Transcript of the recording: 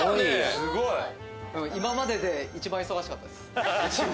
すごい今までで一番忙しかったです